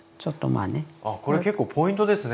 ああこれ結構ポイントですね。